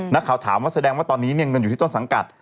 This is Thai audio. นักข่าวถามว่าแสดงว่าตอนนี้เงินอยู่ที่ต้นสังกัด